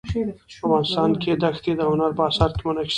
افغانستان کې ښتې د هنر په اثار کې منعکس کېږي.